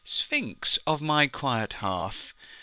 Sphinx of my quiet hearth!